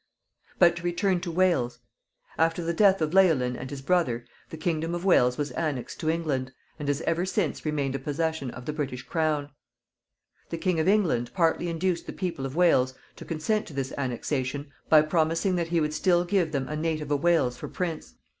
But to return to Wales. After the death of Leolin and his brother the kingdom of Wales was annexed to England, and has ever since remained a possession of the British crown. The King of England partly induced the people of Wales to consent to this annexation by promising that he would still give them a native of Wales for prince.